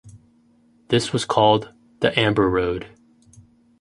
This was called the Amber Road.